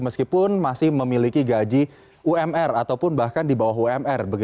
meskipun masih memiliki gaji umr ataupun bahkan di bawah umr